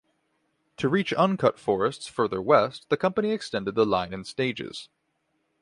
To reach uncut forests further west, the company extended the line in stages.